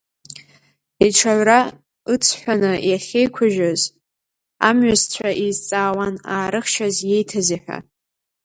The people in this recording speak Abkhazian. Иҽаҩра ыҵҳәаны иахьеиқәыжьыз амҩасцәа еизҵаауан аарыхшьас еиҭази ҳәа.